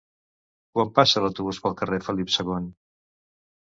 Quan passa l'autobús pel carrer Felip II?